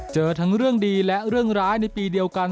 เจอทั้งเรื่องดีและเรื่องร้ายในปีเดียวกัน